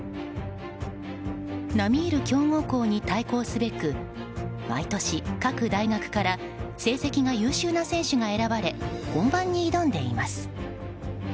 並み居る強豪校に対抗すべく毎年、各大学から成績が優秀な選手が選ばれ本番に挑んでいます。